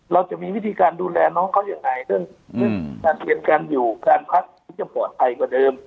เราจะมีวิธีการดูแลน้องเขายังไงเรื่องการเรียนการอยู่การพักที่จะปลอดภัยกว่าเดิม